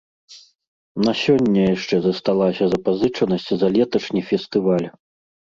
На сёння яшчэ засталася запазычанасць за леташні фестываль.